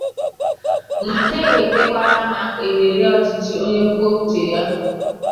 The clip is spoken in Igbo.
ma na-ewètekwara ha èrèrè ọchịchị onye kwuo uche ya.